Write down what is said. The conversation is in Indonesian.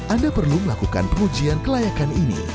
anda perlu melakukan pengujian kelayakan ini